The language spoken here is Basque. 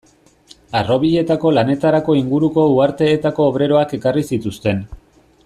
Harrobietako lanetarako inguruko uharteetako obreroak ekarri zituzten.